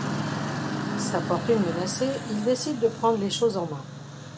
Sa fortune menacée, il décide de prendre les choses en main.